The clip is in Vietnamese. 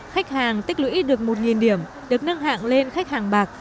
khách hàng tích lũy được một điểm được nâng hạng lên khách hàng bạc